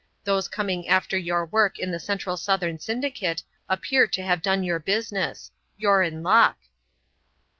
Those coming after your work on the Central Southern Syndicate appear to have done your business. You're in luck."